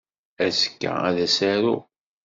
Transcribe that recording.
Azekka ad as-aruɣ.